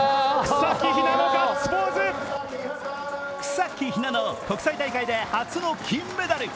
草木ひなの、国際大会で初の金メダル。